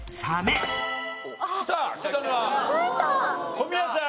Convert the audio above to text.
小宮さん。